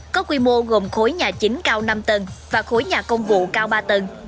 có quy mô gồm khối nhà chính cao năm tầng và khối nhà công vụ cao ba tầng